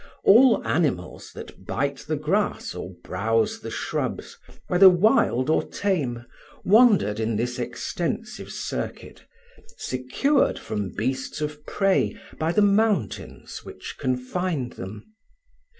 All animals that bite the grass or browse the shrubs, whether wild or tame, wandered in this extensive circuit, secured from beasts of prey by the mountains which confined them.